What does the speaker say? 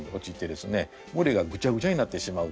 群れがぐちゃぐちゃになってしまうと。